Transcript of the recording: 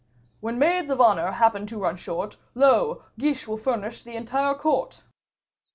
"When Maids of Honor happen to run short, Lo! Guiche will furnish the entire Court."